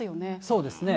そうですね。